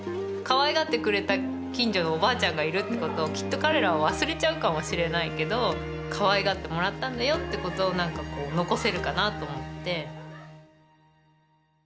かわいがってくれた近所のおばあちゃんがいるってことをきっと彼らは忘れちゃうかもしれないけどかわいがってもらったんだよってことをなんかこう残せるかなと思って。